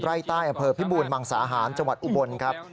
ไร่ใต้อำเภอพิบูรมังสาหารจังหวัดอุบลครับ